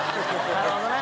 なるほどね。